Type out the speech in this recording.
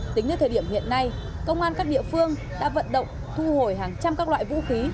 tính đến thời điểm hiện nay công an các địa phương đã vận động thu hồi hàng trăm các loại vũ khí